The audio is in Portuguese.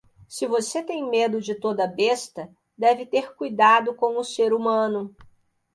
Se você tem medo de toda besta, deve ter cuidado com o ser humano.